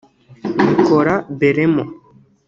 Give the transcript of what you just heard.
Nicola Bellomo